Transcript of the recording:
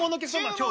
今日。